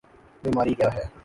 بیماری کیا ہے؟